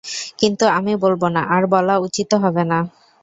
কিন্তু আমি বলব না, আর বলা উচিতও হবে না।